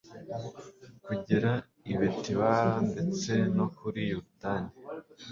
kugera i betibara ndetse no kuri yorudani